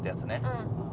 うん。